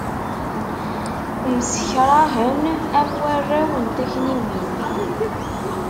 Msekṛahen am warraw n takniwin.